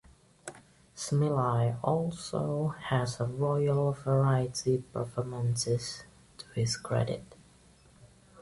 Smillie also has a Royal Variety Performances to his credit.